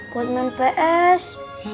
buat main ps